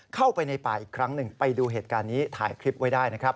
เข้าไปในป่าอีกครั้งหนึ่งไปดูเหตุการณ์นี้ถ่ายคลิปไว้ได้นะครับ